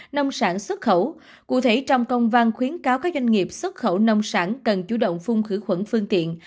nông sản xuất khẩu cụ thể trong công văn khuyến cáo các doanh nghiệp xuất khẩu nông sản cần chủ động phun khử khuẩn phương tiện